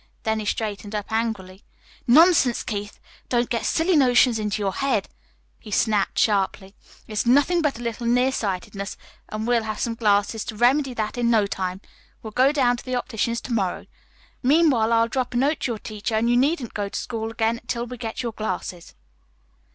Then he straightened up angrily. "Nonsense, Keith! Don't get silly notions into your head," he snapped sharply. "It's nothing but a little near sightedness, and we'll have some glasses to remedy that in no time. We'll go down to the optician's to morrow. Meanwhile I'll drop a note to your teacher, and you needn't go to school again till we get your glasses."